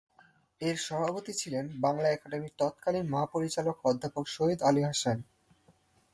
এর সভাপতি ছিলেন বাংলা একাডেমীর তৎকালীন মহাপরিচালক অধ্যাপক সৈয়দ আলী আহসান।